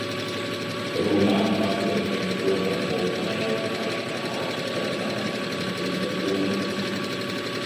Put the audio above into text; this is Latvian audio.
Runā, mazliet viens otram oponējot, arī Alvis Hermanis un Uga Dumpis.